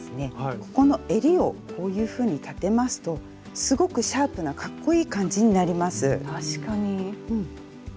ここのえりをこういうふうに立てますとすごくシャープなかっこいい感じになります。